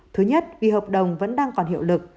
thứ nhất vì hợp đồng vẫn đang còn hiệu lực